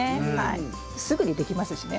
すぐにできますしね。